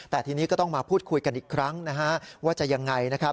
แต่ทีนี้ก็ต้องมาพูดคุยกันอีกครั้งนะฮะว่าจะยังไงนะครับ